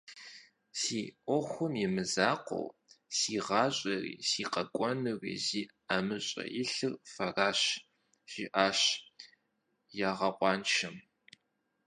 Си ӏуэхум имызакъуэу, си гъащӏэри, си къэкӏуэнури зи ӏэмыщӏэ илъыр фэращ, - жиӏащ ягъэкъуаншэм.